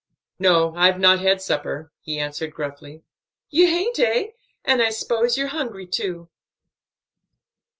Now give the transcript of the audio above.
"No, I've not had supper," he answered gruffly. "You haint, eh? and I 'spose you're hungry, too.